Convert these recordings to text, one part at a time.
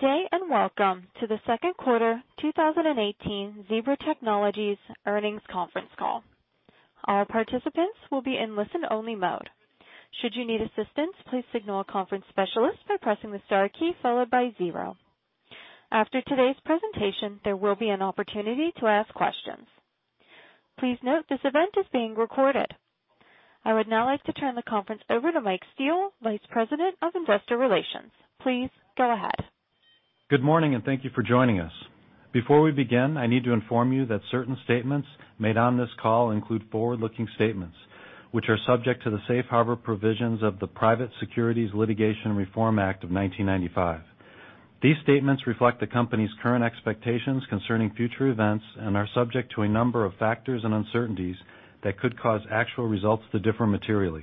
Good day. Welcome to the second quarter 2018 Zebra Technologies earnings conference call. All participants will be in listen-only mode. Should you need assistance, please signal a conference specialist by pressing the star key followed by zero. After today's presentation, there will be an opportunity to ask questions. Please note this event is being recorded. I would now like to turn the conference over to Michael Steele, Vice President of Investor Relations. Please go ahead. Good morning. Thank you for joining us. Before we begin, I need to inform you that certain statements made on this call include forward-looking statements, which are subject to the safe harbor provisions of the Private Securities Litigation Reform Act of 1995. These statements reflect the company's current expectations concerning future events and are subject to a number of factors and uncertainties that could cause actual results to differ materially.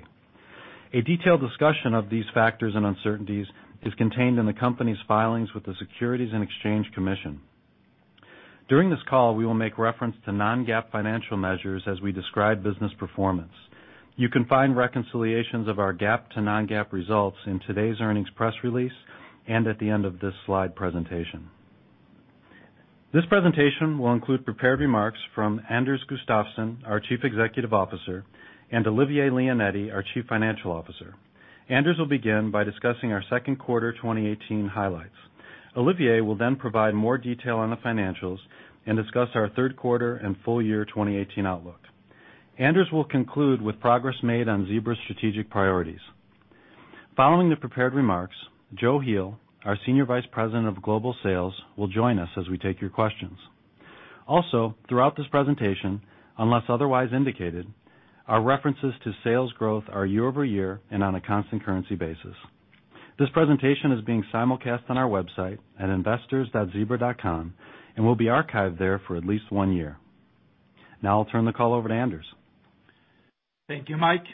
A detailed discussion of these factors and uncertainties is contained in the company's filings with the Securities and Exchange Commission. During this call, we will make reference to non-GAAP financial measures as we describe business performance. You can find reconciliations of our GAAP to non-GAAP results in today's earnings press release and at the end of this slide presentation. This presentation will include prepared remarks from Anders Gustafsson, our Chief Executive Officer, and Olivier Leonetti, our Chief Financial Officer. Anders will begin by discussing our second quarter 2018 highlights. Olivier will provide more detail on the financials and discuss our third quarter and full year 2018 outlook. Anders will conclude with progress made on Zebra's strategic priorities. Following the prepared remarks, Joachim Heel, our Senior Vice President of Global Sales, will join us as we take your questions. Throughout this presentation, unless otherwise indicated, our references to sales growth are year-over-year and on a constant currency basis. This presentation is being simulcast on our website at investors.zebra.com and will be archived there for at least one year. I'll turn the call over to Anders. Thank you, Mike.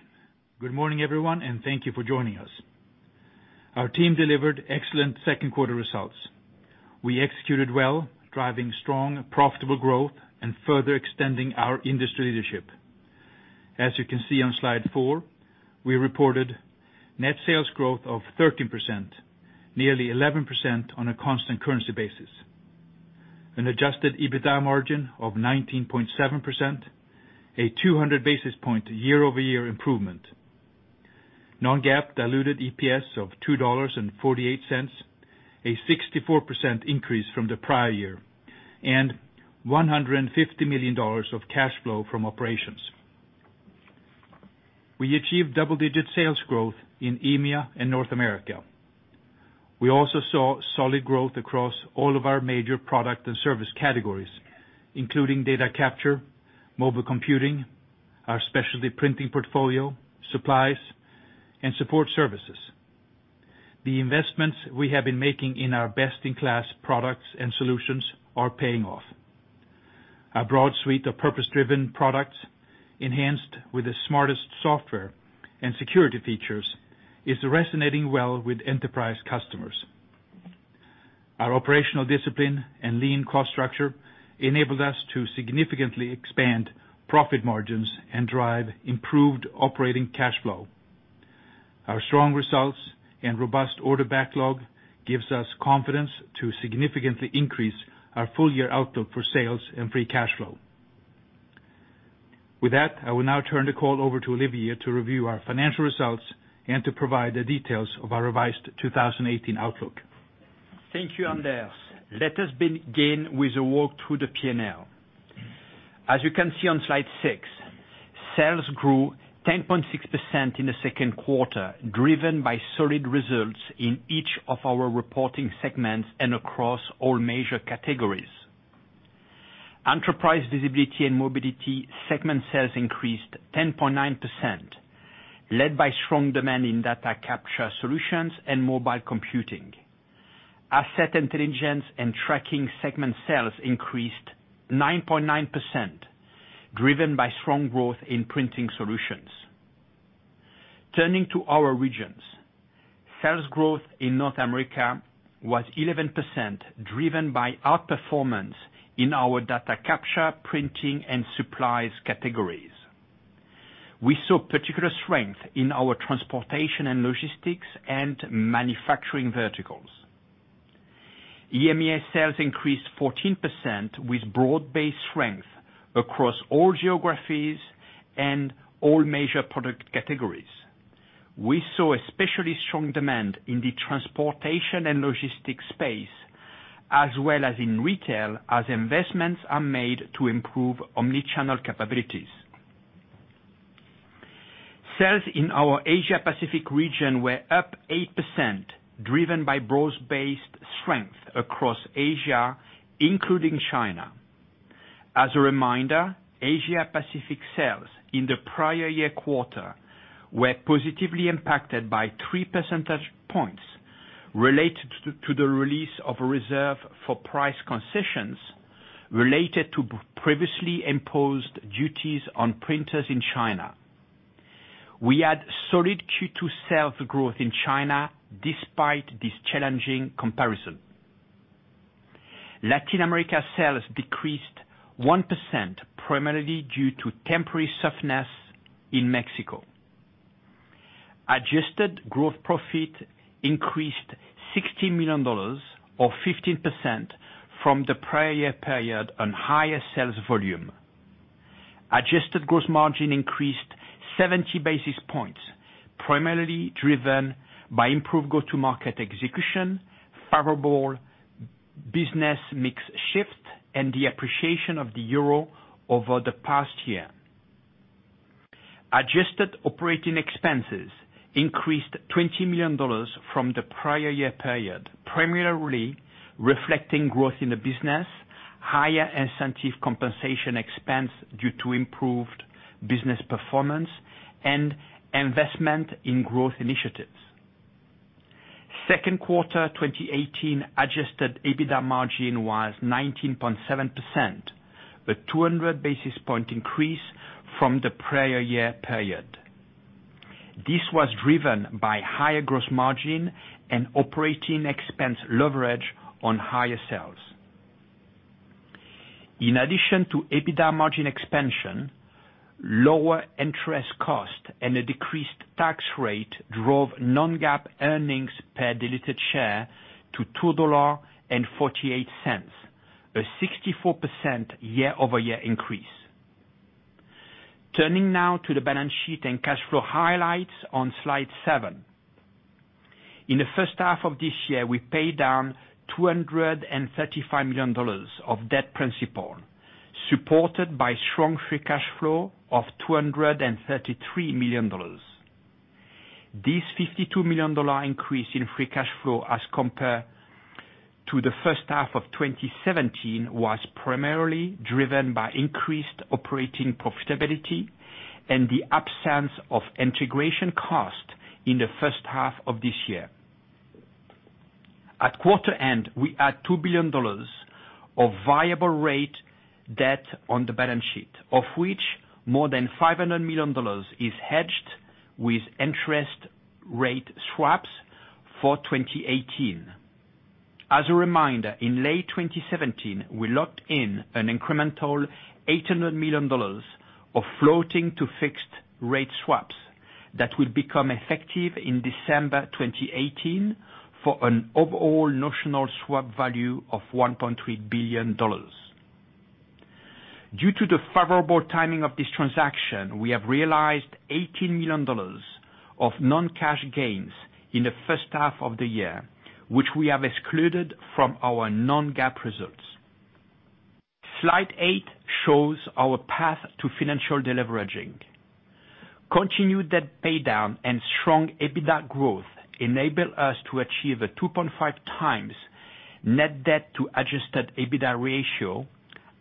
Good morning, everyone. Thank you for joining us. Our team delivered excellent second quarter results. We executed well, driving strong, profitable growth and further extending our industry leadership. As you can see on slide four, we reported net sales growth of 13%, nearly 11% on a constant currency basis, an adjusted EBITDA margin of 19.7%, a 200 basis points year-over-year improvement, non-GAAP diluted EPS of $2.48, a 64% increase from the prior year, and $150 million of cash flow from operations. We achieved double-digit sales growth in EMEA and North America. We saw solid growth across all of our major product and service categories, including data capture, mobile computing, our specialty printing portfolio, supplies, and support services. The investments we have been making in our best-in-class products and solutions are paying off. Our broad suite of purpose-driven products, enhanced with the smartest software and security features, is resonating well with enterprise customers. Our operational discipline and lean cost structure enabled us to significantly expand profit margins and drive improved operating cash flow. Our strong results and robust order backlog gives us confidence to significantly increase our full year outlook for sales and free cash flow. With that, I will now turn the call over to Olivier to review our financial results and to provide the details of our revised 2018 outlook. Thank you, Anders. Let us begin with a walk through the P&L. As you can see on slide six, sales grew 10.6% in the second quarter, driven by solid results in each of our reporting segments and across all major categories. Enterprise Visibility & Mobility segment sales increased 10.9%, led by strong demand in data capture solutions and mobile computing. Asset Intelligence & Tracking segment sales increased 9.9%, driven by strong growth in printing solutions. Turning to our regions, sales growth in North America was 11%, driven by outperformance in our data capture, printing, and supplies categories. We saw particular strength in our transportation and logistics and manufacturing verticals. EMEA sales increased 14% with broad-based strength across all geographies and all major product categories. We saw especially strong demand in the transportation and logistics space, as well as in retail, as investments are made to improve omni-channel capabilities. Sales in our Asia Pacific region were up 8%, driven by broad-based strength across Asia, including China. As a reminder, Asia Pacific sales in the prior year quarter were positively impacted by three percentage points related to the release of a reserve for price concessions related to previously imposed duties on printers in China. We had solid Q2 sales growth in China despite this challenging comparison. Latin America sales decreased 1%, primarily due to temporary softness in Mexico. Adjusted gross profit increased $16 million, or 15%, from the prior year period on higher sales volume. Adjusted gross margin increased 70 basis points, primarily driven by improved go-to-market execution, favorable business mix shift, and the appreciation of the euro over the past year. Adjusted operating expenses increased $20 million from the prior year period, primarily reflecting growth in the business, higher incentive compensation expense due to improved business performance, and investment in growth initiatives. Second quarter 2018 adjusted EBITDA margin was 19.7%, a 200 basis point increase from the prior year period. This was driven by higher gross margin and operating expense leverage on higher sales. In addition to EBITDA margin expansion, lower interest cost, and a decreased tax rate drove non-GAAP earnings per diluted share to $2.48, a 64% year-over-year increase. Turning now to the balance sheet and cash flow highlights on slide seven. In the first half of this year, we paid down $235 million of debt principal, supported by strong free cash flow of $233 million. This $52 million increase in free cash flow as compared to the first half of 2017 was primarily driven by increased operating profitability and the absence of integration cost in the first half of this year. At quarter end, we had $2 billion of variable rate debt on the balance sheet, of which more than $500 million is hedged with interest rate swaps for 2018. As a reminder, in late 2017, we locked in an incremental $800 million of floating to fixed rate swaps that will become effective in December 2018 for an overall notional swap value of $1.3 billion. Due to the favorable timing of this transaction, we have realized $18 million of non-cash gains in the first half of the year, which we have excluded from our non-GAAP results. Slide eight shows our path to financial deleveraging. Continued debt paydown and strong EBITDA growth enable us to achieve a 2.5 times net debt to adjusted EBITDA ratio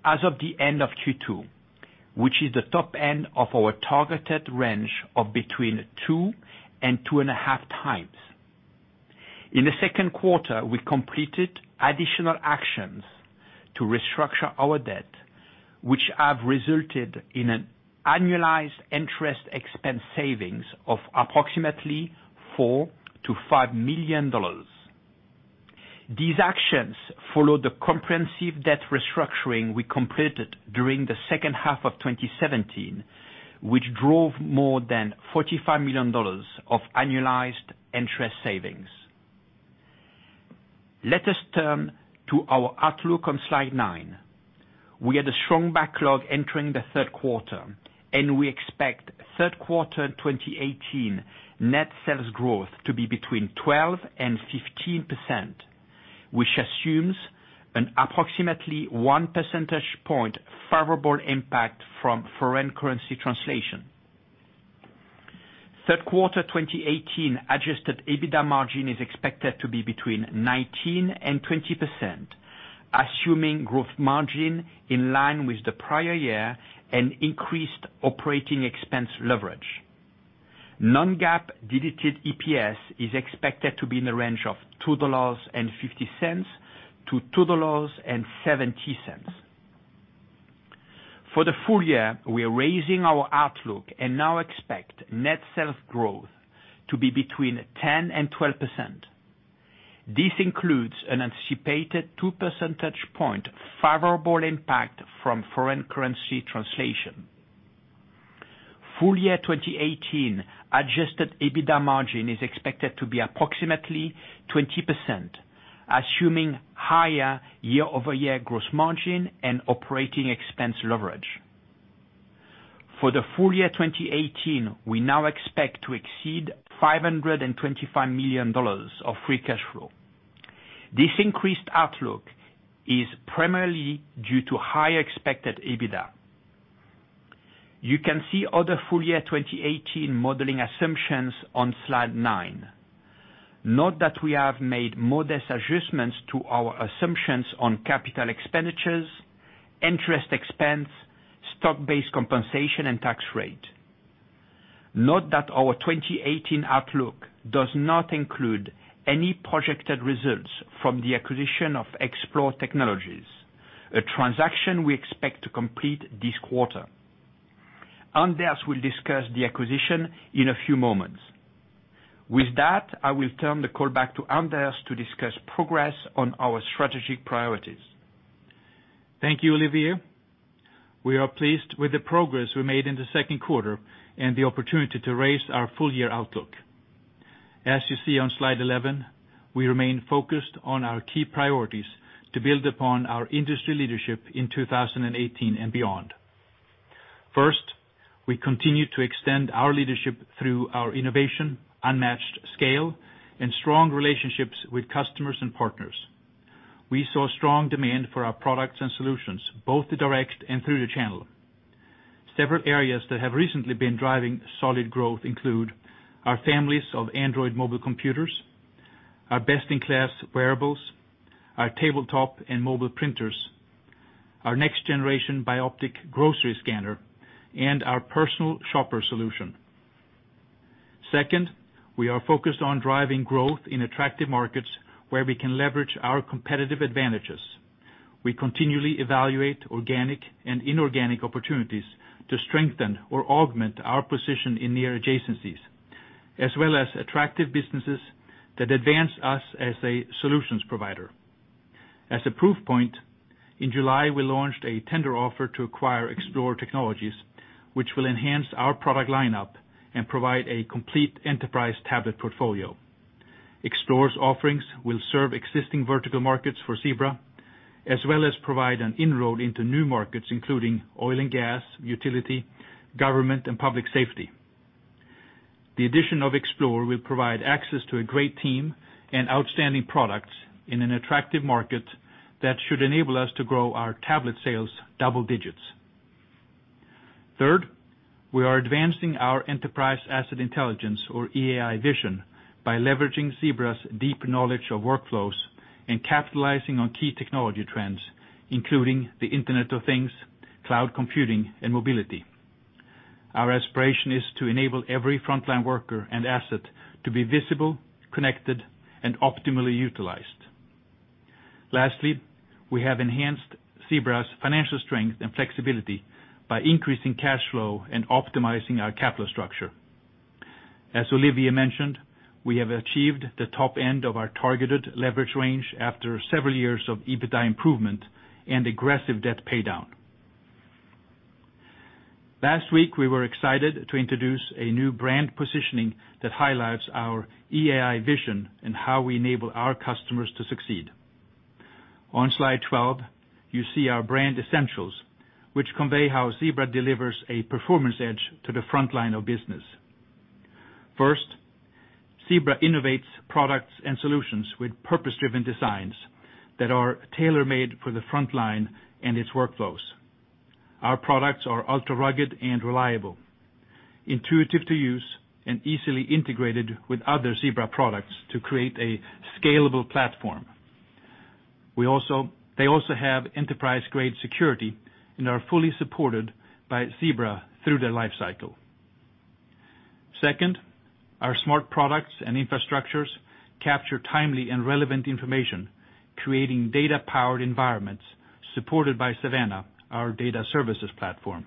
as of the end of Q2, which is the top end of our targeted range of between 2 and 2.5 times. In the second quarter, we completed additional actions to restructure our debt, which have resulted in an annualized interest expense savings of approximately $4 million-$5 million. These actions follow the comprehensive debt restructuring we completed during the second half of 2017, which drove more than $45 million of annualized interest savings. Let us turn to our outlook on slide nine. We had a strong backlog entering the third quarter. We expect third quarter 2018 net sales growth to be between 12%-15%, which assumes an approximately one percentage point favorable impact from foreign currency translation. Third quarter 2018 adjusted EBITDA margin is expected to be between 19%-20%, assuming growth margin in line with the prior year and increased operating expense leverage. Non-GAAP diluted EPS is expected to be in the range of $2.50-$2.70. For the full year, we are raising our outlook and now expect net sales growth to be between 10%-12%. This includes an anticipated two percentage point favorable impact from foreign currency translation. Full year 2018 adjusted EBITDA margin is expected to be approximately 20%, assuming higher year-over-year growth margin and operating expense leverage. For the full year 2018, we now expect to exceed $525 million of free cash flow. This increased outlook is primarily due to higher expected EBITDA. You can see other full year 2018 modeling assumptions on slide nine. Note that we have made modest adjustments to our assumptions on capital expenditures, interest expense, stock-based compensation, and tax rate. Note that our 2018 outlook does not include any projected results from the acquisition of Xplore Technologies, a transaction we expect to complete this quarter. Anders will discuss the acquisition in a few moments. With that, I will turn the call back to Anders to discuss progress on our strategic priorities. Thank you, Olivier. We are pleased with the progress we made in the second quarter and the opportunity to raise our full-year outlook. As you see on slide 11, we remain focused on our key priorities to build upon our industry leadership in 2018 and beyond. First, we continue to extend our leadership through our innovation, unmatched scale, and strong relationships with customers and partners. We saw strong demand for our products and solutions, both direct and through the channel. Several areas that have recently been driving solid growth include our families of Android mobile computers, our best-in-class wearables, our tabletop and mobile printers, our next generation bioptic grocery scanner, and our personal shopper solution. Second, we are focused on driving growth in attractive markets where we can leverage our competitive advantages. We continually evaluate organic and inorganic opportunities to strengthen or augment our position in near adjacencies, as well as attractive businesses that advance us as a solutions provider. As a proof point, in July, we launched a tender offer to acquire Xplore Technologies, which will enhance our product lineup and provide a complete enterprise tablet portfolio. Xplore's offerings will serve existing vertical markets for Zebra, as well as provide an inroad into new markets, including oil and gas, utility, government, and public safety. The addition of Xplore will provide access to a great team and outstanding products in an attractive market that should enable us to grow our tablet sales double digits. Third, we are advancing our Enterprise Asset Intelligence, or EAI vision, by leveraging Zebra's deep knowledge of workflows and capitalizing on key technology trends, including the Internet of Things, cloud computing, and mobility. Our aspiration is to enable every frontline worker and asset to be visible, connected, and optimally utilized. Lastly, we have enhanced Zebra's financial strength and flexibility by increasing cash flow and optimizing our capital structure. As Olivier mentioned, we have achieved the top end of our targeted leverage range after several years of EBITDA improvement and aggressive debt paydown. Last week, we were excited to introduce a new brand positioning that highlights our EAI vision and how we enable our customers to succeed. On slide 12, you see our brand essentials, which convey how Zebra delivers a performance edge to the frontline of business. First, Zebra innovates products and solutions with purpose-driven designs that are tailor-made for the frontline and its workflows. Our products are ultra-rugged and reliable, intuitive to use, and easily integrated with other Zebra products to create a scalable platform. They also have enterprise-grade security and are fully supported by Zebra through their life cycle. Second, our smart products and infrastructures capture timely and relevant information, creating data-powered environments supported by Savanna, our data services platform.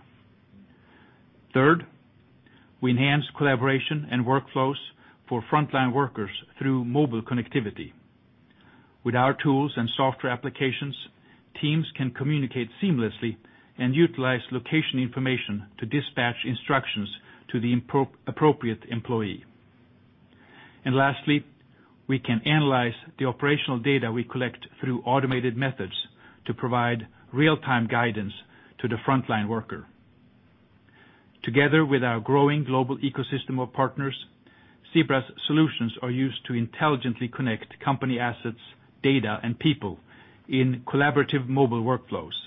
Third, we enhance collaboration and workflows for frontline workers through mobile connectivity. With our tools and software applications, teams can communicate seamlessly and utilize location information to dispatch instructions to the appropriate employee. Lastly, we can analyze the operational data we collect through automated methods to provide real-time guidance to the frontline worker. Together with our growing global ecosystem of partners, Zebra's solutions are used to intelligently connect company assets, data, and people in collaborative mobile workflows.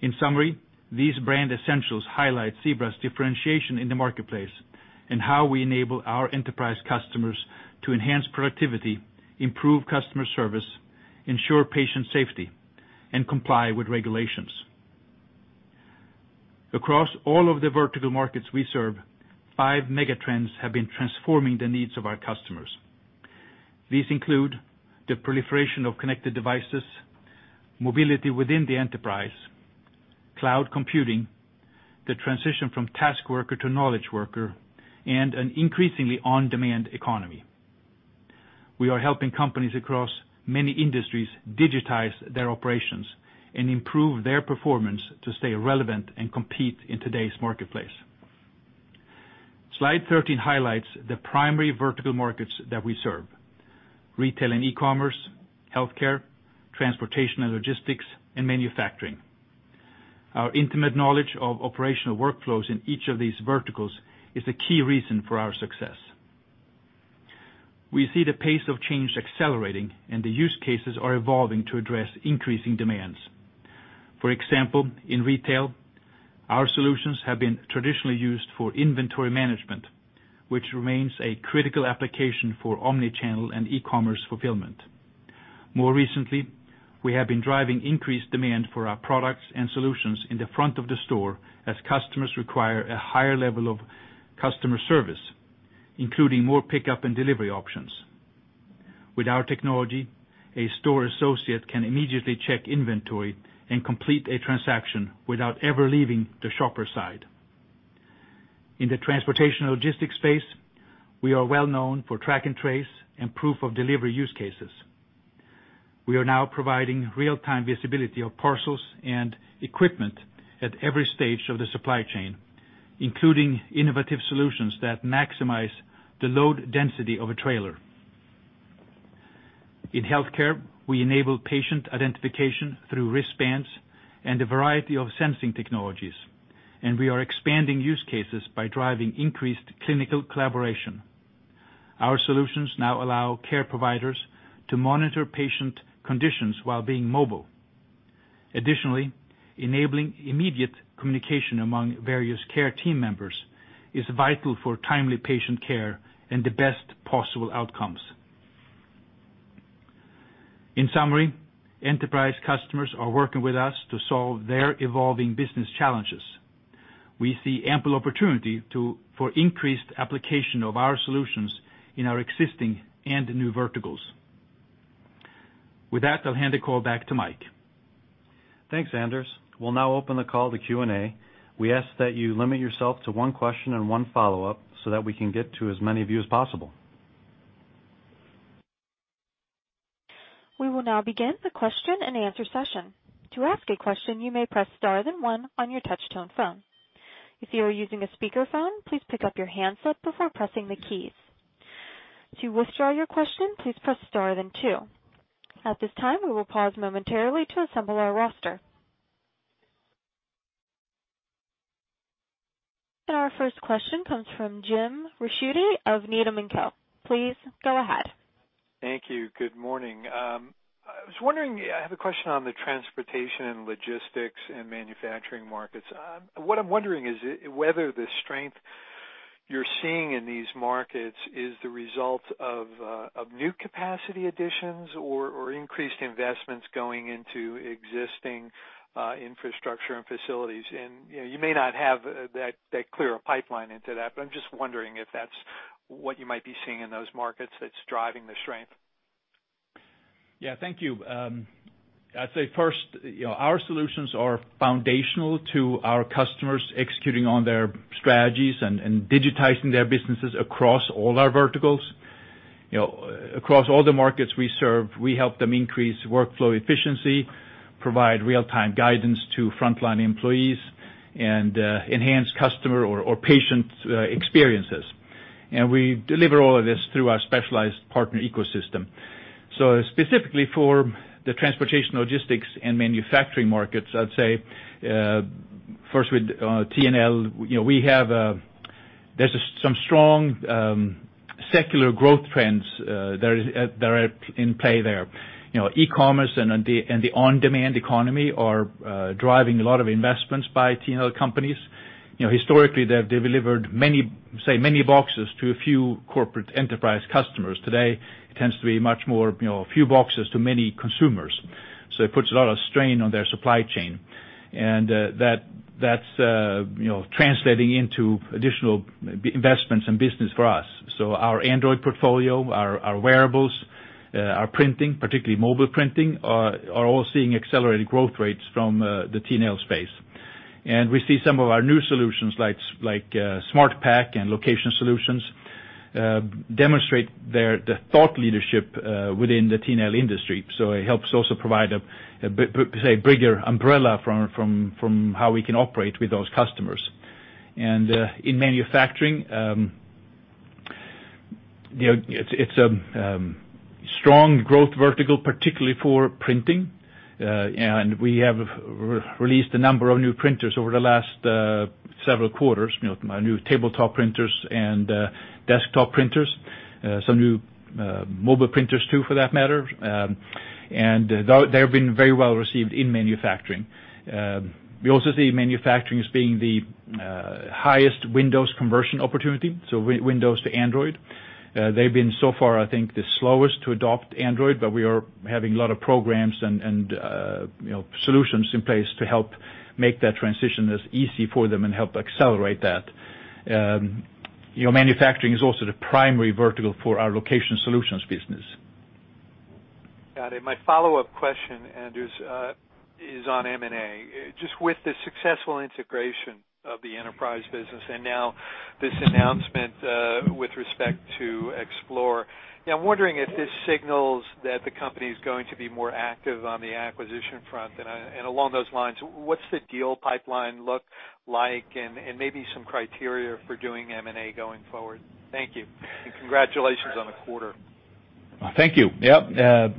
In summary, these brand essentials highlight Zebra's differentiation in the marketplace and how we enable our enterprise customers to enhance productivity, improve customer service, ensure patient safety, and comply with regulations. Across all of the vertical markets we serve, five mega trends have been transforming the needs of our customers. These include the proliferation of connected devices, mobility within the enterprise, cloud computing, the transition from task worker to knowledge worker, and an increasingly on-demand economy. We are helping companies across many industries digitize their operations and improve their performance to stay relevant and compete in today's marketplace. Slide 13 highlights the primary vertical markets that we serve: retail and e-commerce, healthcare, transportation and logistics, and manufacturing. Our intimate knowledge of operational workflows in each of these verticals is a key reason for our success. We see the pace of change accelerating, and the use cases are evolving to address increasing demands. For example, in retail, our solutions have been traditionally used for inventory management, which remains a critical application for omni-channel and e-commerce fulfillment. More recently, we have been driving increased demand for our products and solutions in the front of the store as customers require a higher level of customer service, including more pickup and delivery options. With our technology, a store associate can immediately check inventory and complete a transaction without ever leaving the shopper's side. In the transportation and logistics space, we are well known for track and trace and proof-of-delivery use cases. We are now providing real-time visibility of parcels and equipment at every stage of the supply chain, including innovative solutions that maximize the load density of a trailer. In healthcare, we enable patient identification through wristbands and a variety of sensing technologies, and we are expanding use cases by driving increased clinical collaboration. Our solutions now allow care providers to monitor patient conditions while being mobile. Additionally, enabling immediate communication among various care team members is vital for timely patient care and the best possible outcomes. In summary, enterprise customers are working with us to solve their evolving business challenges. We see ample opportunity for increased application of our solutions in our existing and new verticals. With that, I'll hand the call back to Mike. Thanks, Anders. We'll now open the call to Q&A. We ask that you limit yourself to one question and one follow-up so that we can get to as many of you as possible. We will now begin the question and answer session. To ask a question, you may press star then one on your touch-tone phone. If you are using a speakerphone, please pick up your handset before pressing the keys. To withdraw your question, please press star then two. At this time, we will pause momentarily to assemble our roster. Our first question comes from Jim Ricchiuti of Needham & Company. Please go ahead. Thank you. Good morning. I have a question on the transportation, logistics, and manufacturing markets. What I'm wondering is whether the strength you're seeing in these markets is the result of new capacity additions or increased investments going into existing infrastructure and facilities. You may not have that clear a pipeline into that, but I'm just wondering if that's what you might be seeing in those markets that's driving the strength. Thank you. I'd say first, our solutions are foundational to our customers executing on their strategies and digitizing their businesses across all our verticals. Across all the markets we serve, we help them increase workflow efficiency, provide real-time guidance to frontline employees, and enhance customer or patient experiences. We deliver all of this through our specialized partner ecosystem. Specifically for the transportation, logistics, and manufacturing markets, I'd say, first with T&L there's some strong secular growth trends that are in play there. E-commerce and the on-demand economy are driving a lot of investments by T&L companies. Historically, they've delivered many boxes to a few corporate enterprise customers. Today, it tends to be much more a few boxes to many consumers. It puts a lot of strain on their supply chain. That's translating into additional investments and business for us. Our Android portfolio, our wearables, our printing, particularly mobile printing, are all seeing accelerated growth rates from the T&L space. We see some of our new solutions like SmartPack and location solutions, demonstrate the thought leadership within the T&L industry. It helps also provide a bigger umbrella from how we can operate with those customers. In manufacturing, it's a strong growth vertical, particularly for printing. We have released a number of new printers over the last several quarters, new tabletop printers and desktop printers, some new mobile printers too, for that matter. They have been very well received in manufacturing. We also see manufacturing as being the highest Windows conversion opportunity, so Windows to Android. They've been so far, I think, the slowest to adopt Android, we are having a lot of programs and solutions in place to help make that transition as easy for them and help accelerate that. Manufacturing is also the primary vertical for our location solutions business. Got it. My follow-up question, Anders, is on M&A. Just with the successful integration of the enterprise business and now this announcement with respect to Xplore. I'm wondering if this signals that the company is going to be more active on the acquisition front. Along those lines, what's the deal pipeline look like and maybe some criteria for doing M&A going forward? Thank you. Congratulations on the quarter. Thank you. Yep.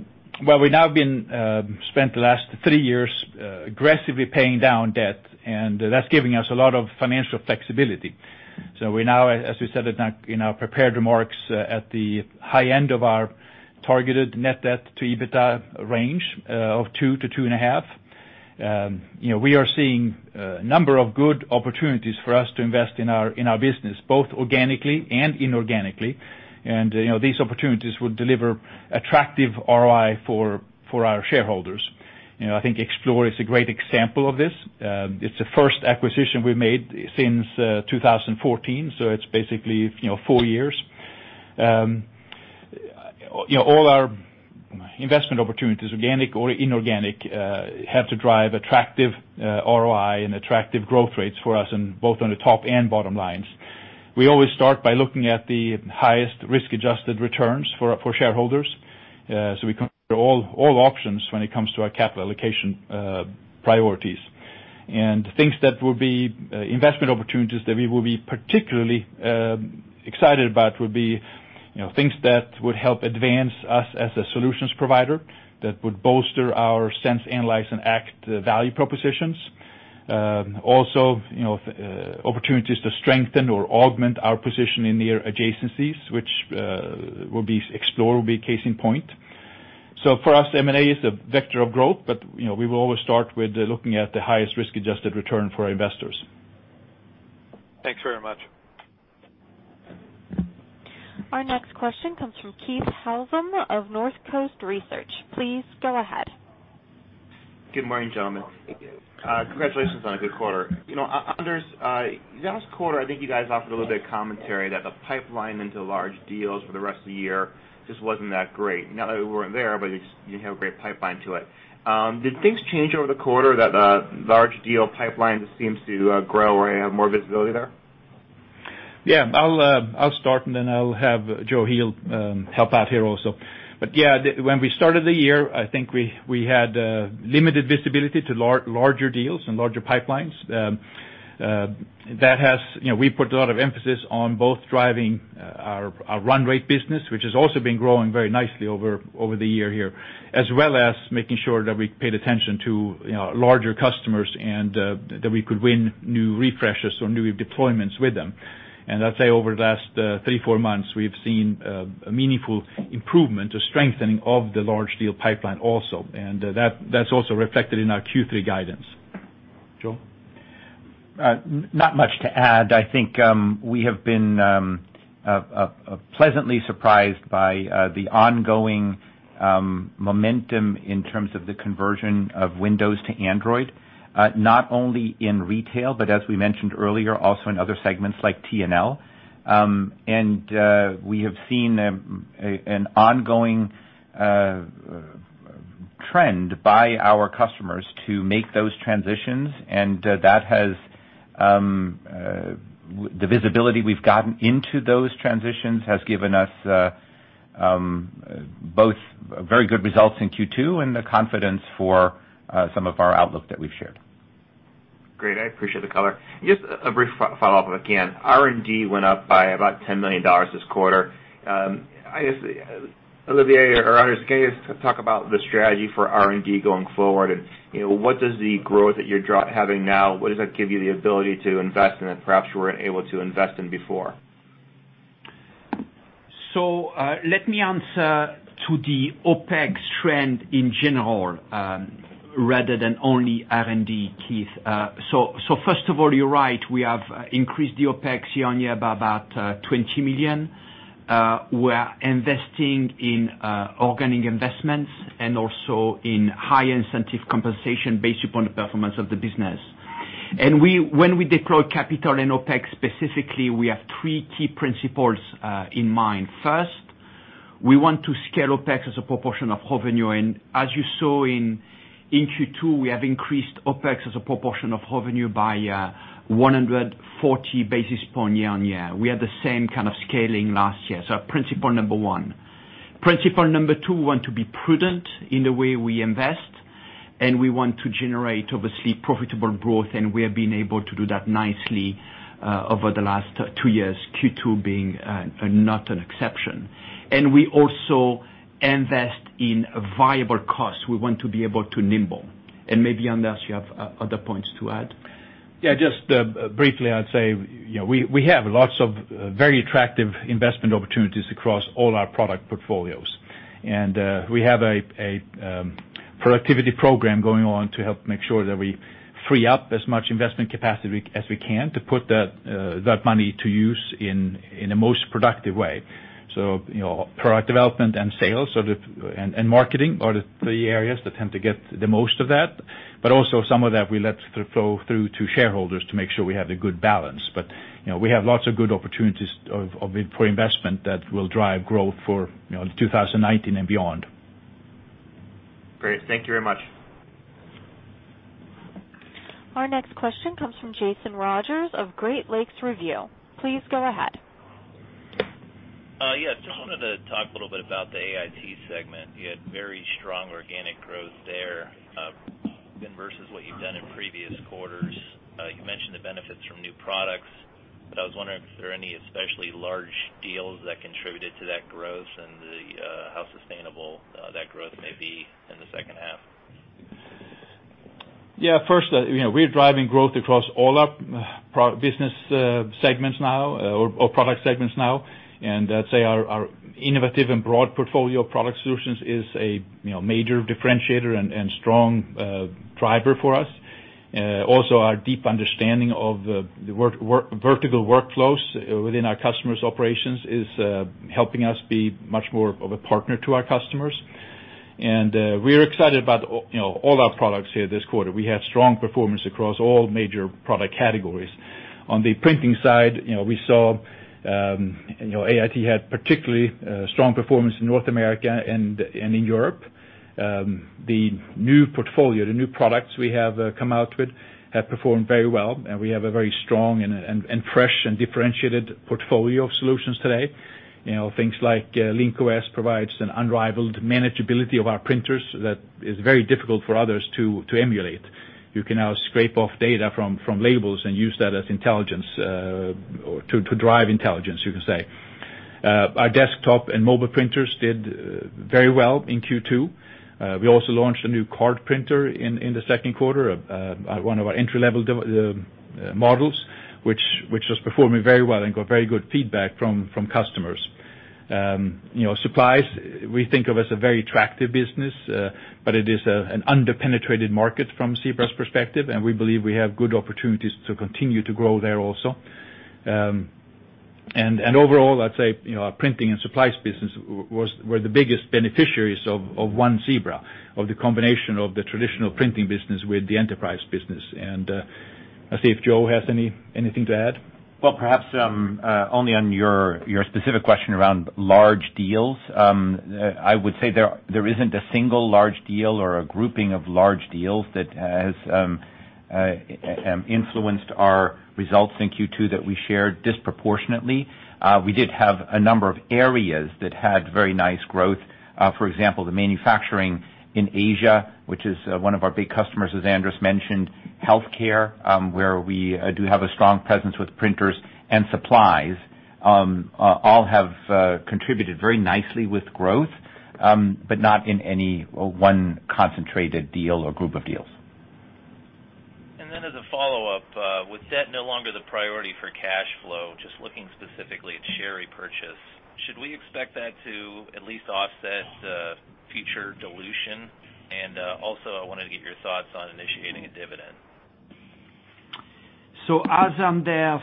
Well, we now spent the last three years aggressively paying down debt, that's giving us a lot of financial flexibility. We now, as we said in our prepared remarks, at the high end of our targeted net debt to EBITDA range of 2 to 2.5. We are seeing a number of good opportunities for us to invest in our business, both organically and inorganically. These opportunities would deliver attractive ROI for our shareholders. I think Xplore is a great example of this. It's the first acquisition we've made since 2014, so it's basically four years. All our investment opportunities, organic or inorganic, have to drive attractive ROI and attractive growth rates for us in both on the top and bottom lines. We always start by looking at the highest risk-adjusted returns for shareholders. We consider all options when it comes to our capital allocation priorities. Things that will be investment opportunities that we will be particularly excited about would be things that would help advance us as a solutions provider, that would bolster our sense, analyze, and act value propositions. Also, opportunities to strengthen or augment our position in their adjacencies, which will be Xplore, will be case in point. For us, M&A is a vector of growth, we will always start with looking at the highest risk-adjusted return for our investors. Thanks very much. Our next question comes from Keith Housum of Northcoast Research. Please go ahead. Good morning, gentlemen. Congratulations on a good quarter. Anders, last quarter, I think you guys offered a little bit of commentary that the pipeline into large deals for the rest of the year just wasn't that great. Not that we weren't there, but you didn't have a great pipeline to it. Did things change over the quarter that the large deal pipeline just seems to grow or you have more visibility there? Yeah. I'll start and then I'll have Joachim Heel help out here also. When we started the year, I think we had limited visibility to larger deals and larger pipelines. We put a lot of emphasis on both driving our run rate business, which has also been growing very nicely over the year here, as well as making sure that we paid attention to larger customers and that we could win new refreshes or new deployments with them. I'd say over the last three, four months, we've seen a meaningful improvement, a strengthening of the large deal pipeline also. That's also reflected in our Q3 guidance. Joe? Not much to add. I think we have been pleasantly surprised by the ongoing momentum in terms of the conversion of Windows to Android, not only in retail, but as we mentioned earlier, also in other segments like T&L. We have seen an ongoing trend by our customers to make those transitions. The visibility we've gotten into those transitions has given us both very good results in Q2 and the confidence for some of our outlook that we've shared. Great. I appreciate the color. Just a brief follow-up again. R&D went up by about $10 million this quarter. Olivier or Anders, can you just talk about the strategy for R&D going forward and what does the growth that you're having now, what does that give you the ability to invest in that perhaps you weren't able to invest in before? Let me answer to the OPEX trend in general rather than only R&D, Keith. First of all, you're right, we have increased the OPEX year on year by about $20 million. We're investing in organic investments and also in high incentive compensation based upon the performance of the business. When we deploy capital in OPEX specifically, we have three key principles in mind. First, we want to scale OPEX as a proportion of revenue, and as you saw in Q2, we have increased OPEX as a proportion of revenue by 140 basis point year on year. We had the same kind of scaling last year. Principle number one. Principle number two, we want to be prudent in the way we invest, we want to generate, obviously, profitable growth, and we have been able to do that nicely over the last two years, Q2 being not an exception. We also invest in viable costs. We want to be able to nimble. Maybe, Anders, you have other points to add. Yeah, just briefly, I'd say, we have lots of very attractive investment opportunities across all our product portfolios. We have a productivity program going on to help make sure that we free up as much investment capacity as we can to put that money to use in the most productive way. Product development and sales and marketing are the three areas that tend to get the most of that, but also some of that will flow through to shareholders to make sure we have the good balance. We have lots of good opportunities for investment that will drive growth for 2019 and beyond. Great. Thank you very much. Our next question comes from Jason Rogers of Great Lakes Review. Please go ahead. Yeah. Just wanted to talk a little bit about the AIT segment. You had very strong organic growth there versus what you've done in previous quarters. You mentioned the benefits from new products, I was wondering if there are any especially large deals that contributed to that growth and how sustainable that growth may be in the second half. First, we're driving growth across all our business segments now or product segments now, I'd say our innovative and broad portfolio of product solutions is a major differentiator and strong driver for us. Also, our deep understanding of the vertical workflows within our customers' operations is helping us be much more of a partner to our customers. We're excited about all our products here this quarter. We had strong performance across all major product categories. On the printing side, we saw AIT had particularly strong performance in North America and in Europe. The new portfolio, the new products we have come out with have performed very well, and we have a very strong and fresh, and differentiated portfolio of solutions today. Things like Link-OS provides an unrivaled manageability of our printers that is very difficult for others to emulate. You can now scrape off data from labels and use that as intelligence, or to drive intelligence, you can say. Our desktop and mobile printers did very well in Q2. We also launched a new card printer in the second quarter, one of our entry-level models, which is performing very well and got very good feedback from customers. Supplies, we think of as a very attractive business. It is an under-penetrated market from Zebra's perspective, and we believe we have good opportunities to continue to grow there also. Overall, I'd say, our printing and supplies business were the biggest beneficiaries of One Zebra, of the combination of the traditional printing business with the enterprise business. I'll see if Joe has anything to add. Well, perhaps, only on your specific question around large deals. I would say there isn't a single large deal or a grouping of large deals that has influenced our results in Q2 that we shared disproportionately. We did have a number of areas that had very nice growth. For example, the manufacturing in Asia, which is one of our big customers, as Anders mentioned, healthcare, where we do have a strong presence with printers and supplies, all have contributed very nicely with growth, but not in any one concentrated deal or group of deals. As a follow-up, with debt no longer the priority for cash flow, just looking specifically at share repurchase, should we expect that to at least offset future dilution? Also, I wanted to get your thoughts on initiating a dividend. As Anders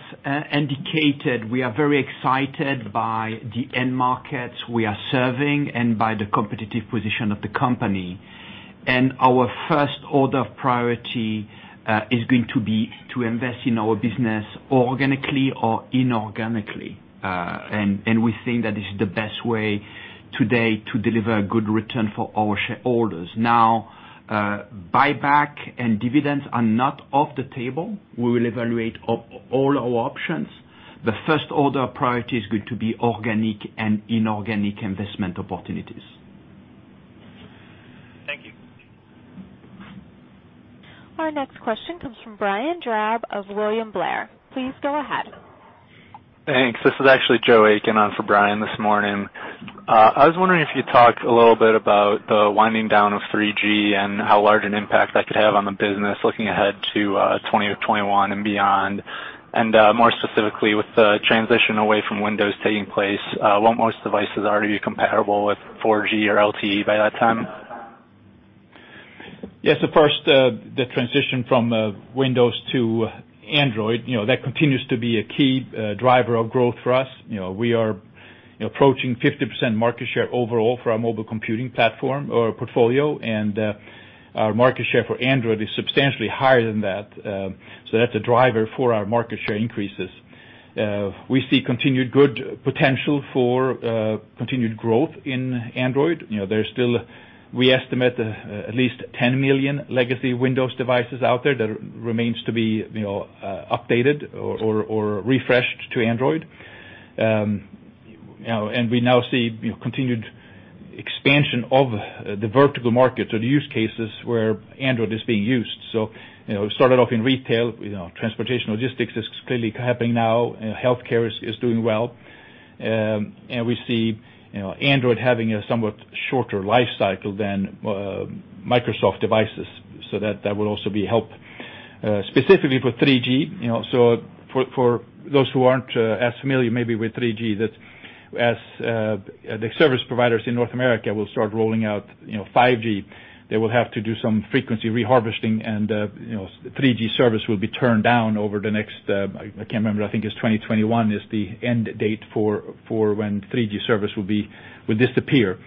indicated, we are very excited by the end markets we are serving and by the competitive position of the company. Our first order of priority is going to be to invest in our business organically or inorganically. We think that is the best way today to deliver a good return for our shareholders. Now, buyback and dividends are not off the table. We will evaluate all our options. The first order priority is going to be organic and inorganic investment opportunities. Thank you. Our next question comes from Brian Drab of William Blair. Please go ahead. Thanks. This is actually Joseph Aiken on for Brian this morning. I was wondering if you'd talk a little bit about the winding down of 3G and how large an impact that could have on the business looking ahead to 2020, 2021 and beyond. More specifically, with the transition away from Windows taking place, won't most devices already be compatible with 4G or LTE by that time? Yes, first, the transition from Windows to Android, that continues to be a key driver of growth for us. We are approaching 50% market share overall for our mobile computing platform or portfolio. Our market share for Android is substantially higher than that. That's a driver for our market share increases. We see continued good potential for continued growth in Android. There's still, we estimate, at least 10 million legacy Windows devices out there that remains to be updated or refreshed to Android. We now see continued expansion of the vertical market or the use cases where Android is being used. It started off in retail, Transportation, Logistics is clearly happening now, and healthcare is doing well. We see Android having a somewhat shorter life cycle than Microsoft devices, that will also be help. Specifically for 3G, for those who aren't as familiar maybe with 3G, that as the service providers in North America will start rolling out 5G, they will have to do some frequency re-harvesting and 3G service will be turned down over the next, I can't remember, I think it's 2021 is the end date for when 3G service will disappear.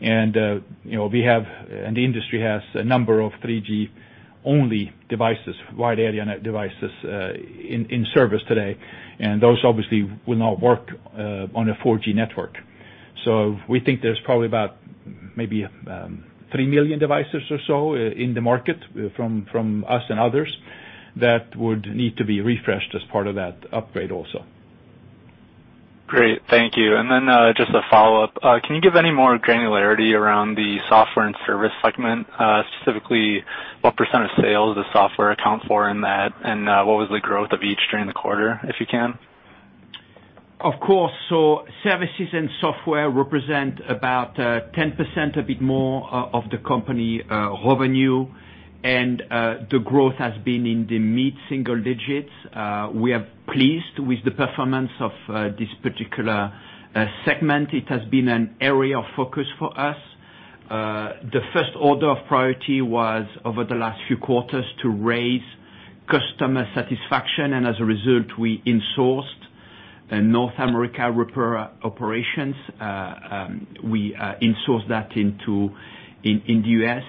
The industry has a number of 3G only devices, wide area net devices in service today. Those obviously will not work on a 4G network. We think there's probably about maybe 3 million devices or so in the market from us and others that would need to be refreshed as part of that upgrade also. Great, thank you. Just a follow-up. Can you give any more granularity around the software and service segment? Specifically, what % of sales the software account for and that, what was the growth of each during the quarter, if you can? Of course. Services and software represent about 10%, a bit more of the company revenue. The growth has been in the mid-single digits. We are pleased with the performance of this particular segment. It has been an area of focus for us. The first order of priority was over the last few quarters to raise customer satisfaction, and as a result, we insourced the North America operations, we insource that in the U.S.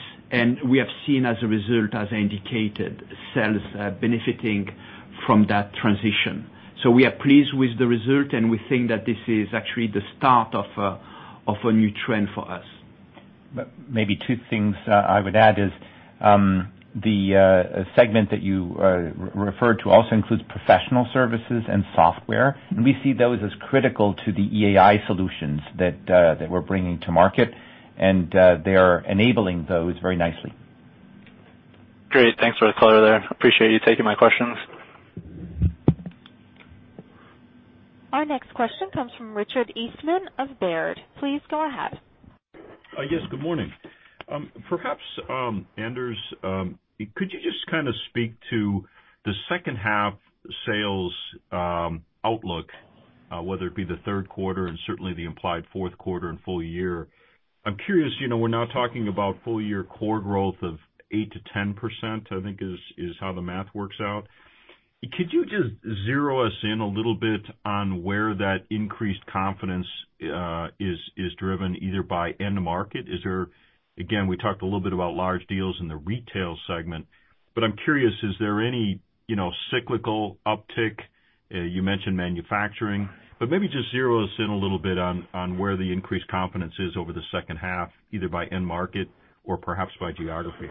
We have seen as a result, as indicated, sales benefiting from that transition. We are pleased with the result, and we think that this is actually the start of a new trend for us. Maybe two things I would add is, the segment that you referred to also includes professional services and software. We see those as critical to the EAI solutions that we're bringing to market, they are enabling those very nicely. Great. Thanks for the color there. Appreciate you taking my questions. Our next question comes from Richard Eastman of Baird. Please go ahead. Yes, good morning. Perhaps, Anders, could you just kind of speak to the second half sales outlook, whether it be the third quarter and certainly the implied fourth quarter and full year. I'm curious, we're now talking about full-year core growth of 8%-10%, I think is how the math works out. Could you just zero us in a little bit on where that increased confidence is driven, either by end market? Again, we talked a little bit about large deals in the retail segment, I'm curious, is there any cyclical uptick? You mentioned manufacturing, maybe just zero us in a little bit on where the increased confidence is over the second half, either by end market or perhaps by geography.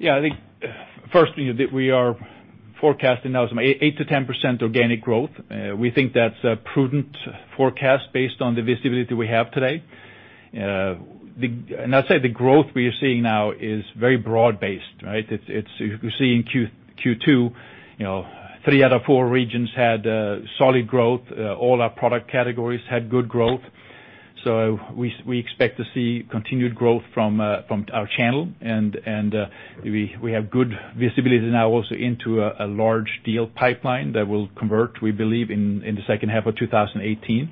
I think first, we are forecasting now some 8%-10% organic growth. We think that's a prudent forecast based on the visibility we have today. I'd say the growth we are seeing now is very broad-based, right? You see in Q2, three out of four regions had solid growth. All our product categories had good growth. We expect to see continued growth from our channel. We have good visibility now also into a large deal pipeline that will convert, we believe, in the second half of 2018.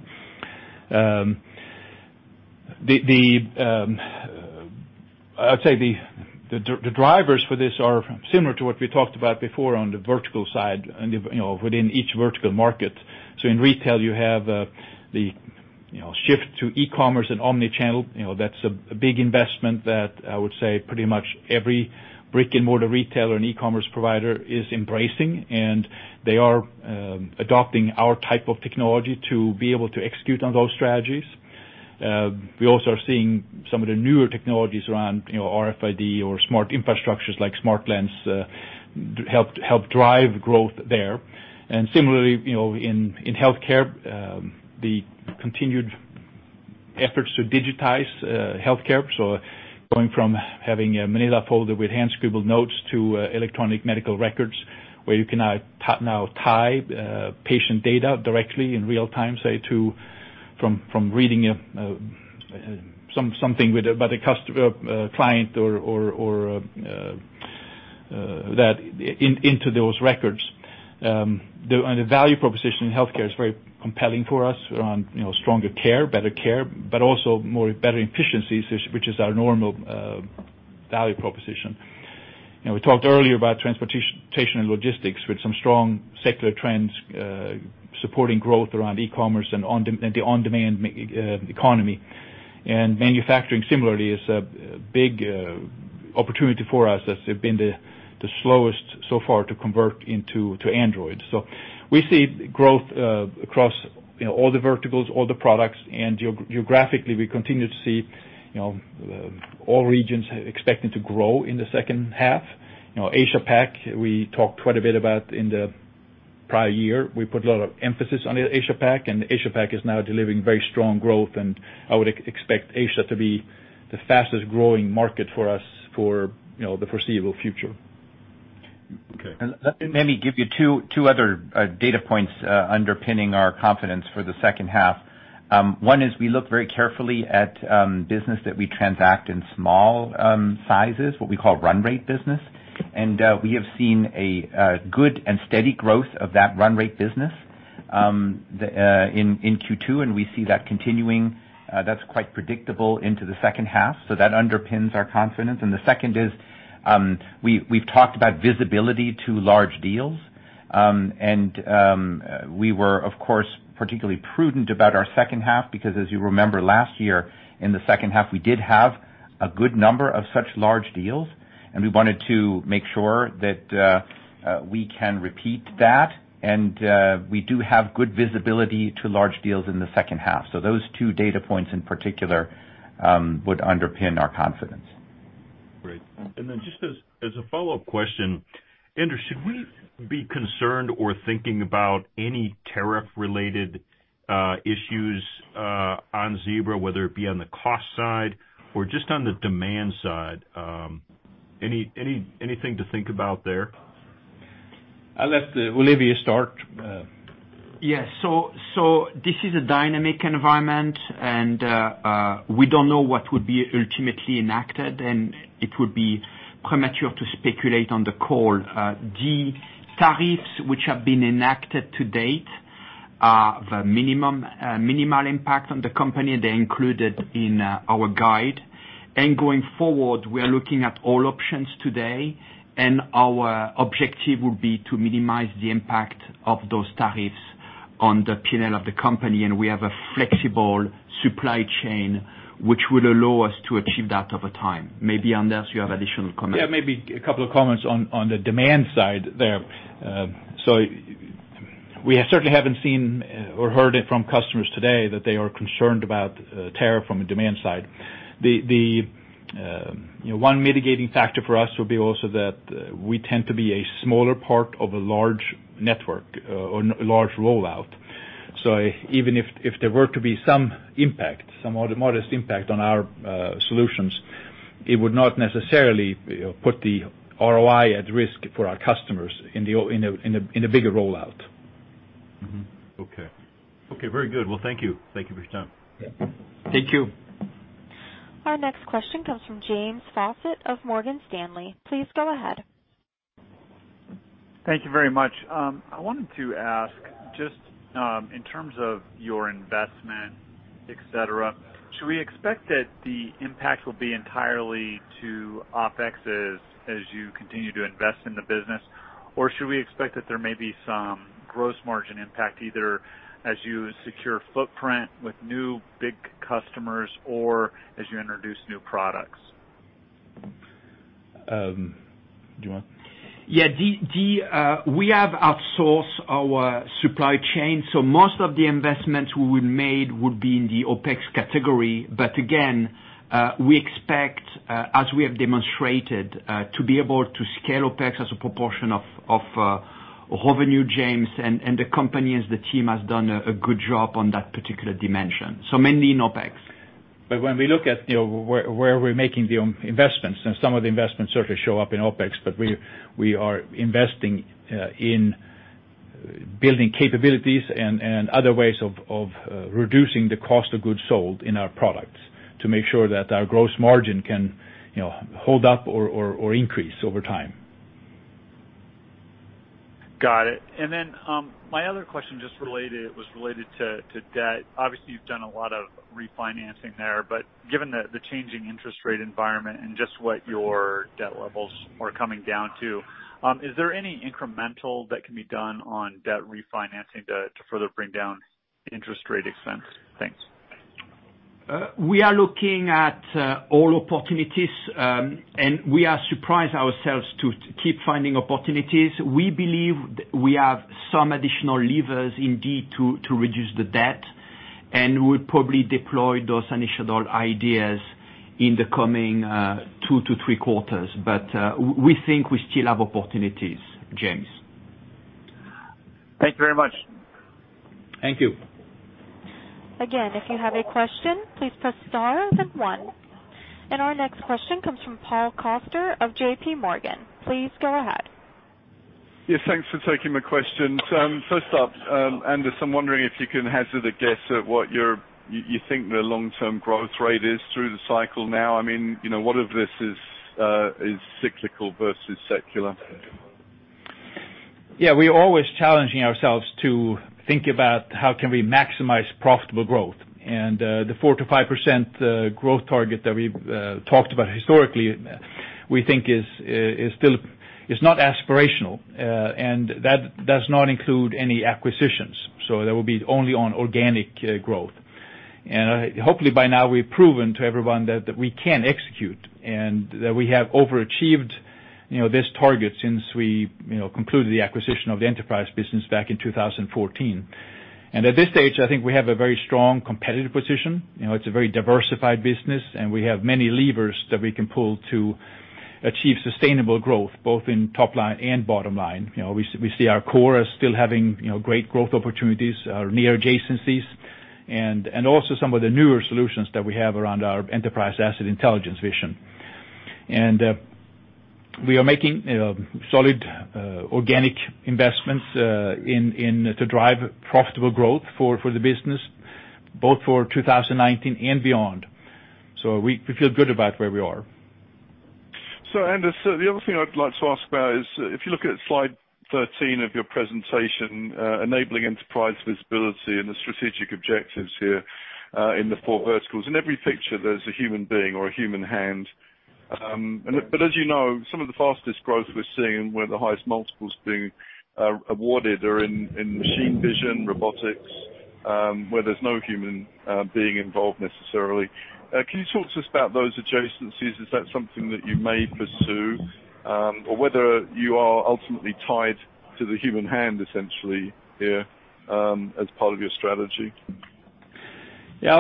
I'd say the drivers for this are similar to what we talked about before on the vertical side and within each vertical market. In retail, you have the shift to e-commerce and omni-channel. That's a big investment that I would say pretty much every brick-and-mortar retailer and e-commerce provider is embracing, and they are adopting our type of technology to be able to execute on those strategies. We also are seeing some of the newer technologies around RFID or smart infrastructures like SmartLens, help drive growth there. Similarly, in healthcare, the continued efforts to digitize healthcare. Going from having a manila folder with hand-scribbled notes to electronic medical records, where you can now tie patient data directly in real time, say from reading something about a client or that into those records. The value proposition in healthcare is very compelling for us around stronger care, better care, but also more better efficiencies, which is our normal value proposition. We talked earlier about transportation and logistics with some strong secular trends supporting growth around e-commerce and the on-demand economy. Manufacturing similarly is a big opportunity for us that's been the slowest so far to convert into Android. We see growth across all the verticals, all the products, and geographically, we continue to see all regions expecting to grow in the second half. Asia-Pac, we talked quite a bit about in the prior year. We put a lot of emphasis on Asia-Pac, and Asia-Pac is now delivering very strong growth, and I would expect Asia to be the fastest-growing market for us for the foreseeable future. Okay. Let me give you two other data points underpinning our confidence for the second half. One is we look very carefully at business that we transact in small sizes, what we call run rate business. We have seen a good and steady growth of that run rate business in Q2, and we see that continuing. That's quite predictable into the second half. That underpins our confidence. The second is, we've talked about visibility to large deals. We were, of course, particularly prudent about our second half because, as you remember, last year in the second half, we did have a good number of such large deals, and we wanted to make sure that we can repeat that. We do have good visibility to large deals in the second half. Those two data points in particular would underpin our confidence. Great. Just as a follow-up question, Anders, should we be concerned or thinking about any tariff-related issues on Zebra Technologies, whether it be on the cost side or just on the demand side? Anything to think about there? I'll let Olivier start. Yes. This is a dynamic environment, and we don't know what would be ultimately enacted, and it would be premature to speculate on the call. The tariffs which have been enacted to date have a minimal impact on the company. They're included in our guide. Going forward, we are looking at all options today, and our objective would be to minimize the impact of those tariffs on the P&L of the company, and we have a flexible supply chain which would allow us to achieve that over time. Maybe, Anders, you have additional comments. Yeah, maybe a couple of comments on the demand side there. We certainly haven't seen or heard it from customers today that they are concerned about tariff from a demand side. One mitigating factor for us would be also that we tend to be a smaller part of a large network or large rollout. Even if there were to be some impact, some modest impact on our solutions, it would not necessarily put the ROI at risk for our customers in the bigger rollout. Okay, very good. Well, thank you. Thank you for your time. Yeah. Thank you. Our next question comes from James Faucette of Morgan Stanley. Please go ahead. Thank you very much. I wanted to ask just in terms of your investment, et cetera, should we expect that the impact will be entirely to OPEX as you continue to invest in the business? Or should we expect that there may be some gross margin impact, either as you secure footprint with new big customers or as you introduce new products? Do you want? Yeah. Most of the investments we will made would be in the OPEX category. Again, we expect, as we have demonstrated, to be able to scale OPEX as a proportion of revenue, James, and the company as the team has done a good job on that particular dimension. Mainly in OPEX. When we look at where we're making the investments, and some of the investments certainly show up in OPEX, we are investing in building capabilities and other ways of reducing the cost of goods sold in our products to make sure that our gross margin can hold up or increase over time. Got it. My other question, just related, was related to debt. Obviously, you've done a lot of refinancing there, given the changing interest rate environment and just what your debt levels are coming down to, is there any incremental that can be done on debt refinancing to further bring down interest rate expense? Thanks. We are looking at all opportunities, and we are surprised ourselves to keep finding opportunities. We believe we have some additional levers indeed to reduce the debt, and we'll probably deploy those initial ideas in the coming two to three quarters. We think we still have opportunities, James Faucette. Thank you very much. Thank you. Again, if you have a question, please press star then 1. Our next question comes from Paul Coster of JP Morgan. Please go ahead. Yes, thanks for taking my question. First up, Anders, I'm wondering if you can hazard a guess at what you think the long-term growth rate is through the cycle now. I mean, what of this is cyclical versus secular? Yeah. We're always challenging ourselves to think about how can we maximize profitable growth. The 4%-5% growth target that we've talked about historically, we think is not aspirational. That does not include any acquisitions. That will be only on organic growth. Hopefully, by now, we've proven to everyone that we can execute and that we have overachieved this target since we concluded the acquisition of the enterprise business back in 2014. At this stage, I think we have a very strong competitive position. It's a very diversified business, and we have many levers that we can pull to achieve sustainable growth, both in top line and bottom line. We see our core as still having great growth opportunities, our near adjacencies, and also some of the newer solutions that we have around our Enterprise Asset Intelligence vision. We are making solid organic investments to drive profitable growth for the business, both for 2019 and beyond. We feel good about where we are. Anders, the other thing I'd like to ask about is, if you look at slide 13 of your presentation, enabling Enterprise Visibility and the strategic objectives here, in the four verticals. In every picture, there's a human being or a human hand. As you know, some of the fastest growth we're seeing and where the highest multiples are being awarded are in machine vision, robotics, where there's no human being involved necessarily. Can you talk to us about those adjacencies? Is that something that you may pursue? Or whether you are ultimately tied to the human hand essentially here, as part of your strategy? Yeah.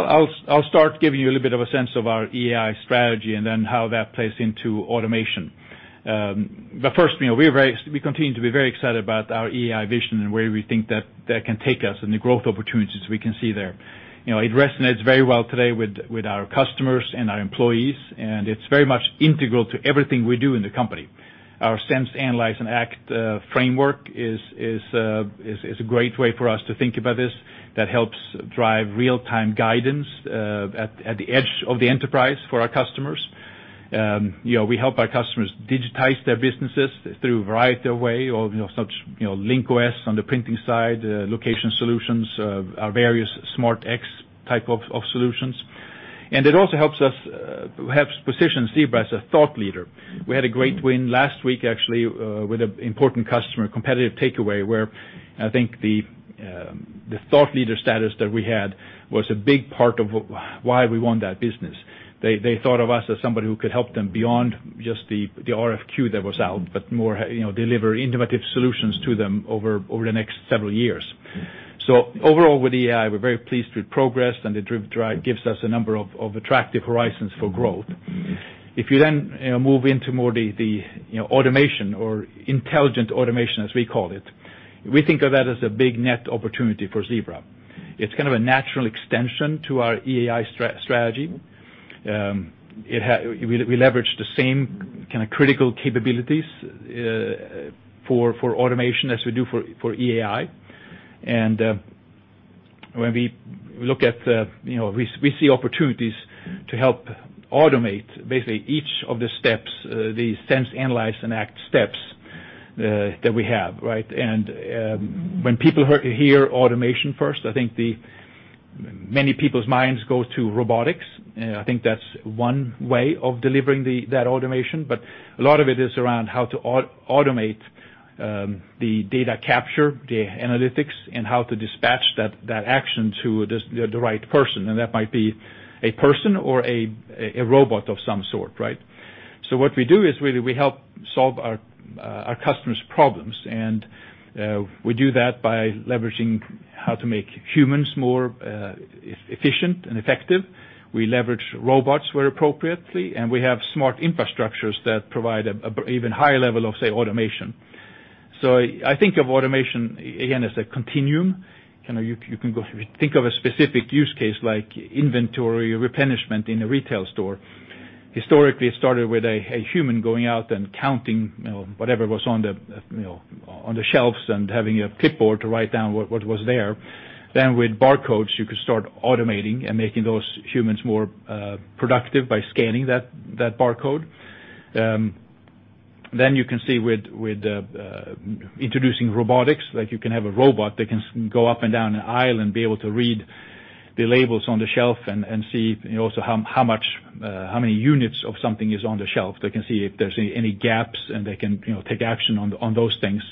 I'll start giving you a little bit of a sense of our EI strategy and then how that plays into automation. First, we continue to be very excited about our EI vision and where we think that that can take us and the growth opportunities we can see there. It resonates very well today with our customers and our employees, and it's very much integral to everything we do in the company. Our sense, analyze, and act framework is a great way for us to think about this that helps drive real-time guidance at the edge of the enterprise for our customers. We help our customers digitize their businesses through a variety of way of such Link-OS on the printing side, location solutions, our various Smart X type of solutions. It also helps us position Zebra as a thought leader. We had a great win last week, actually, with an important customer competitive takeaway, where I think the thought leader status that we had was a big part of why we won that business. They thought of us as somebody who could help them beyond just the RFQ that was out, but more deliver innovative solutions to them over the next several years. Overall, with EAI, we're very pleased with progress, and it gives us a number of attractive horizons for growth. If you move into more the automation or intelligent automation, as we call it, we think of that as a big net opportunity for Zebra. It's kind of a natural extension to our EAI strategy. We leverage the same kind of critical capabilities for automation as we do for EAI. When we look at the, we see opportunities to help automate basically each of the sense, analyze, and act steps that we have, right? When people hear automation first, I think many people's minds go to robotics. I think that's one way of delivering that automation. A lot of it is around how to automate the data capture, the analytics, and how to dispatch that action to the right person. That might be a person or a robot of some sort, right? What we do is really, we help solve our customers' problems. We do that by leveraging how to make humans more efficient and effective. We leverage robots where appropriately, and we have smart infrastructures that provide an even higher level of, say, automation. I think of automation, again, as a continuum. You can think of a specific use case like inventory replenishment in a retail store. Historically, it started with a human going out and counting whatever was on the shelves and having a clipboard to write down what was there. With barcodes, you could start automating and making those humans more productive by scanning that barcode. You can see with introducing robotics, like you can have a robot that can go up and down an aisle and be able to read the labels on the shelf and see also how many units of something is on the shelf. They can see if there's any gaps, and they can take action on those things.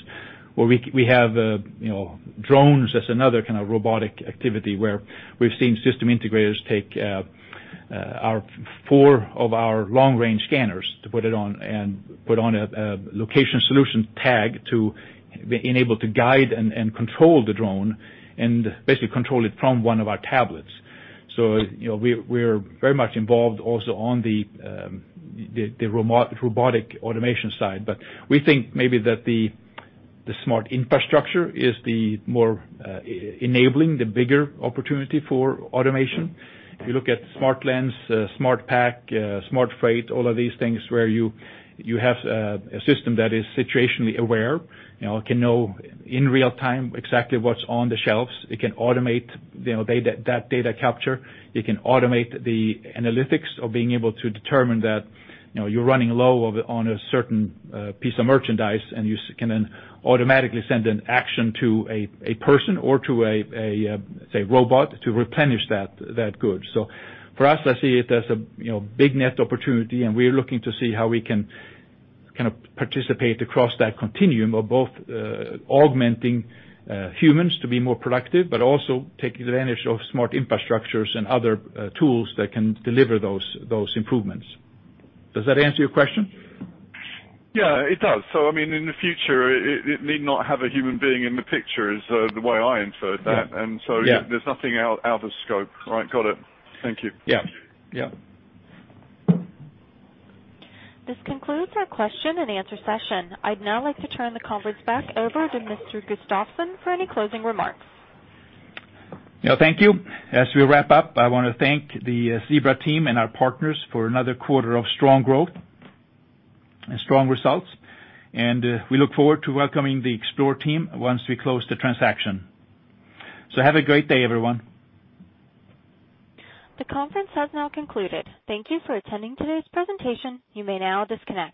We have drones as another kind of robotic activity, where we've seen system integrators take four of our long-range scanners to put on a location solution tag to enable to guide and control the drone, and basically control it from one of our tablets. We're very much involved also on the robotic automation side. We think maybe that the smart infrastructure is the more enabling, the bigger opportunity for automation. If you look at SmartLens, SmartPack, SmartFreight, all of these things where you have a system that is situationally aware, it can know in real time exactly what's on the shelves. It can automate that data capture. It can automate the analytics of being able to determine that you're running low on a certain piece of merchandise, and you can then automatically send an action to a person or to a, say, robot to replenish that good. For us, I see it as a big net opportunity, and we are looking to see how we can kind of participate across that continuum of both augmenting humans to be more productive, but also take advantage of smart infrastructures and other tools that can deliver those improvements. Does that answer your question? Yeah, it does. I mean, in the future, it need not have a human being in the picture is the way I inferred that. Yeah. There's nothing out of scope. All right, got it. Thank you. Yeah. This concludes our question and answer session. I'd now like to turn the conference back over to Mr. Gustafsson for any closing remarks. Yeah, thank you. As we wrap up, I want to thank the Zebra team and our partners for another quarter of strong growth and strong results. We look forward to welcoming the Xplore team once we close the transaction. Have a great day, everyone. The conference has now concluded. Thank you for attending today's presentation. You may now disconnect.